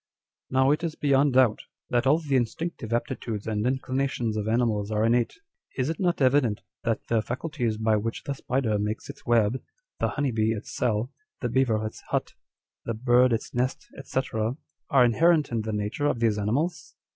" Now it is beyond doubt, that all the instinctive aptitudes and inclinations of animals are innate. Is it not evident that the faculties by which the spider makes its web, the honey bee its cell, the beaver its hut, the bird its nest, &c. are inherent in the nature of these animals